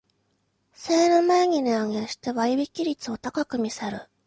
セール前に値上げして割引率を高く見せる